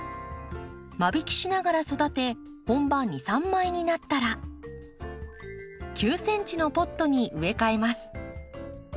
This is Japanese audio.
間引きしながら育て本葉２３枚になったら９ｃｍのポットに植え替えます。